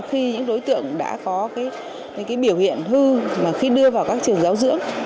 khi những đối tượng đã có những biểu hiện hư mà khi đưa vào các trường giáo dưỡng